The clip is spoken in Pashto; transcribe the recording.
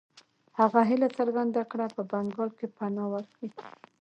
هغه هیله څرګنده کړه په بنګال کې پناه ورکړي.